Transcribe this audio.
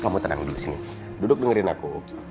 kamu tenang dulu sini duduk dengerin aku